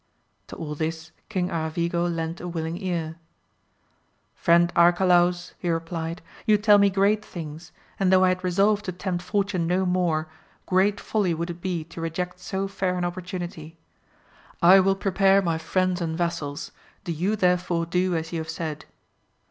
To all this King Aravigo lent a willing ear. Friend Arcalaus, he replied, you tell me great things, and though I had resolved to tempt fortune no more, great folly would it be to reject so fair an opportunity. .1 will prepare my friends and vassals, do you therefore do as you have said.